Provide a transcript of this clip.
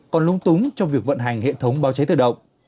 còn lung túng trong việc vận hành hệ thống báo cháy tự động